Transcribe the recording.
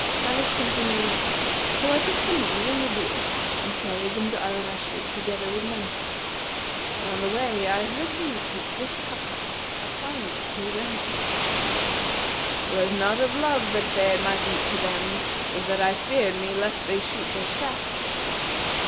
(Salih continued) So I took the money and the jewel and carried them to al Rashid together with Mansur, but on the way I heard him repeat this couplet, applying it to his own case, ''Twas not of love that fared my feet to them; * 'Twas that I feared me lest they shoot their shafts!'